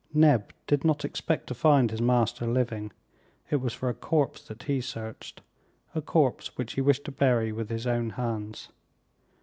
Neb did not expect to find his master living. It was for a corpse that he searched, a corpse which he wished to bury with his own hands!